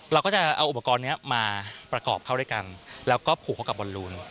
เราก็จะเอาอุปกรณ์นี้มาประกอบเข้าด้วยกันแล้วก็ผูกเข้ากับบอลลูน